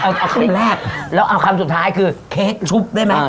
เอาเราก็เรียกแล้วเอาคำสุดท้ายคือเค้กชุบได้มั้ย